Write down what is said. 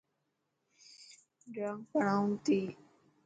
ڊرانگ پڙهائون تي.